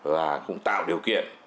và tạo điều kiện